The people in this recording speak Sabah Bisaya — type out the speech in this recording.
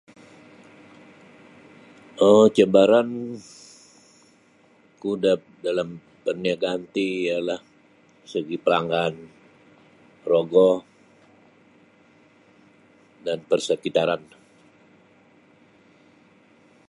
um cabaranku da dalam parniagaan ti ialah dari segi palanggan rogo dan persekitaran.